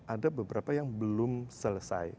ada beberapa yang belum selesai